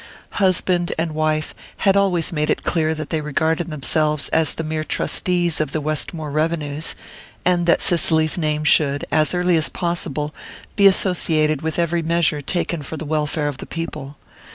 Husband and wife had always made it clear that they regarded themselves as the mere trustees of the Westmore revenues, and that Cicely's name should, as early as possible, be associated with every measure taken for the welfare of the people.